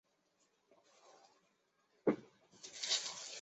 申氏家族乃东阳大姓。